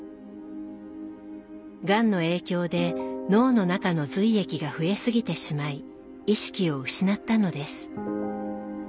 がんの影響で脳の中の髄液が増えすぎてしまい意識を失ったのです。